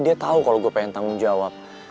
dia tau kalo gue pengen tanggung jawab